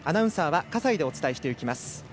アナウンサーは笠井でお伝えします。